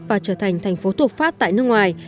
và trở thành thành phố thuộc phát tại nước ngoài